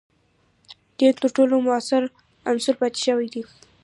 دین تر ټولو موثر عنصر پاتې شوی دی.